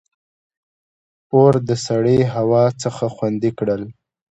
• اور د سړې هوا څخه خوندي کړل.